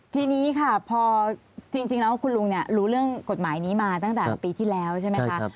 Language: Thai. ทีนี้ค่ะพอจริงแล้วคุณลุงเนี่ยรู้เรื่องกฎหมายนี้มาตั้งแต่ปีที่แล้วใช่ไหมคะ